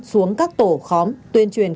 xuống các tổ khóm tuyên truyền